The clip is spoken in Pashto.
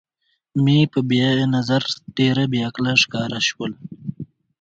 مې په نظر ډېره بې عقله ښکاره شول.